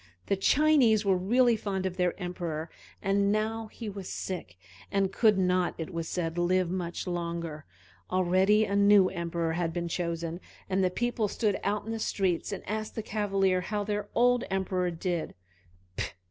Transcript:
The Chinese were really fond of their Emperor, and now he was sick, and could not, it was said, live much longer. Already a new Emperor had been chosen, and the people stood out in the street and asked the Cavalier how their old Emperor did.